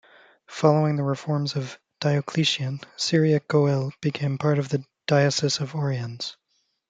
Following the reforms of Diocletian, Syria Coele became part of the Diocese of Oriens.